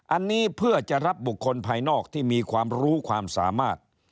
อันนี้เพื่อจะรับบุคคลภายนอกที่มีความรู้ความสามารถ